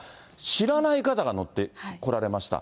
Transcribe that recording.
知らない方が乗ってこられました。